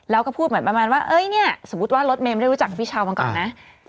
แล้วก็พูดเหมือนประมาณว่าเอ้ยเนี่ยสมมุติว่ารถเมย์ไม่ได้รู้จักกับพี่เช้ามาก่อนนะ